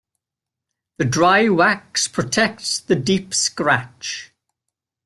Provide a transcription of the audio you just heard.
The dry wax protects the deep scratch.